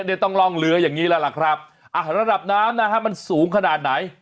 เดี๋ยวต้องล่องเรืออย่างงี้แล้วล่ะครับอ่ะระดับน้ำนะฮะมันสูงขนาดไหน